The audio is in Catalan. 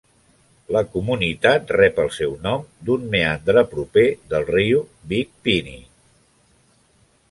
La comunitat rep el seu nom d'un meandre proper del riu Big Piney.